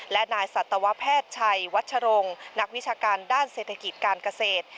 และนายสัตวแพทย์ชัยวัชรงค์นักวิชาการด้านเศรษฐกิจการเกษตร